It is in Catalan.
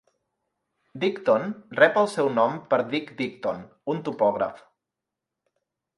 Dighton rep el seu nom per Dick Dighton, un topògraf.